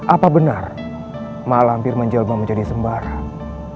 apa benar mak lampir menjelma menjadi sembarang